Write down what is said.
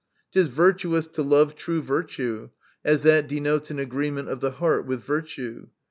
It is virtuous to love true virtue, as that denotes an agreement of the heart with virtue.